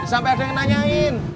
sampai ada yang nanyain